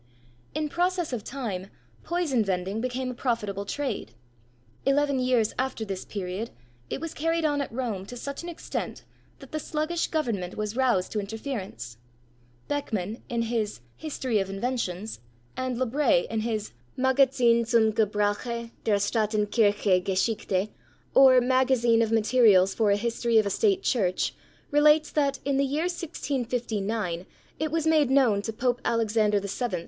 In process of time, poison vending became a profitable trade. Eleven years after this period, it was carried on at Rome to such an extent, that the sluggish government was roused to interference. Beckmann, in his History of Inventions, and Lebret, in his Magazin zum Gebrauche der Staaten Kirche Geschichte, or Magazine of Materials for a History of a State Church, relates that, in the year 1659, it was made known to Pope Alexander VII.